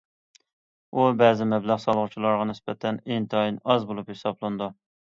بۇ بەزى مەبلەغ سالغۇچىلارغا نىسبەتەن ئىنتايىن ئاز بولۇپ ھېسابلىنىدۇ.